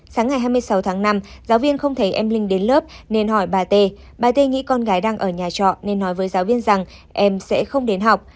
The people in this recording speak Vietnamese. sáng ngày hai mươi sáu tháng năm giáo viên không thấy em linh đến lớp nên hỏi bà t bà tê nghĩ con gái đang ở nhà trọ nên nói với giáo viên rằng em sẽ không đến học